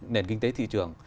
nền kinh tế thị trường